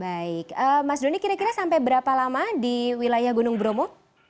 baik mas doni kira kira sampai berapa lama di wilayah gunung bromo